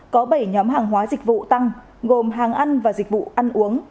có bảy nhóm hàng hóa dịch vụ tăng gồm hàng ăn và dịch vụ ăn uống